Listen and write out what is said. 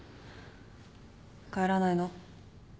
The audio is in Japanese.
帰らないの？